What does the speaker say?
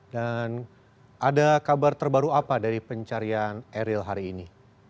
dan ada kabar terbaru apa dari pencarian eril hari ini